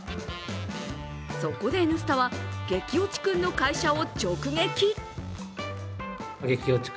そこで、「Ｎスタ」は激落ちくんの会社を直撃。